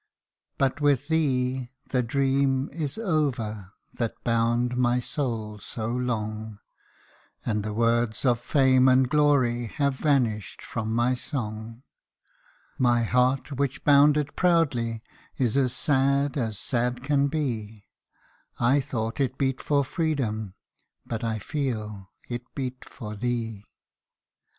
But with thee the dream is over That bound my soul so long ; And the words of fame and glory Have vanished from my song: My heart which bounded proudly Is as sad as sad can be ; I thought it beat for freedom, But I feel it beat /or thee. 210 THE GREEK GIRL'S LAMENT FOR HER LOVER.